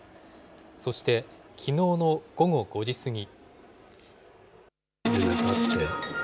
そして、きのうの午後５時過ぎ。